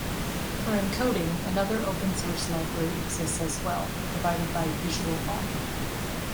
For encoding, another open-source library exists as well, provided by VisualOn.